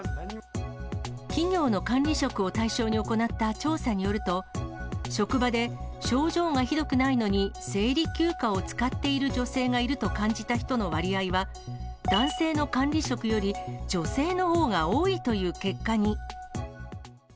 企業の管理職を対象に行った調査によると、職場で症状がひどくないのに、生理休暇を使っている女性がいると感じた人の割合は、男性の管理職より女性のほうが多いという結果に。